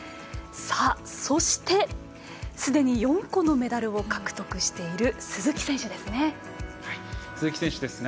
そして、すでに４個のメダルを獲得している鈴木選手ですね。